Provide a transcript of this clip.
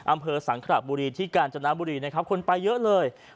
อำเภอสังครับบุรีที่การจนาบุรีคนไปเยอะเลย